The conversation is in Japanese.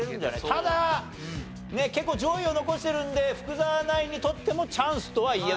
ただ結構上位を残してるんで福澤ナインにとってもチャンスとは言えますが。